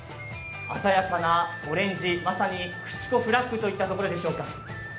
鮮やかなオレンジ、まさにくちこフラッグといったところでしょうか。